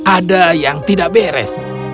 ada yang tidak beres